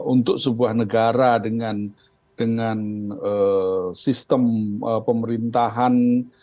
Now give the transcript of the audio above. untuk sebuah negara dengan sistem pemerintahan